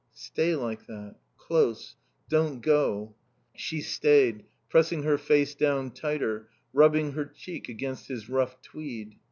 "Stay like that. Close. Don't go." She stayed, pressing her face down tighter, rubbing her cheek against his rough tweed.